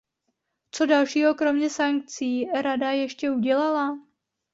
Co dalšího kromě sankcí Rada ještě udělala?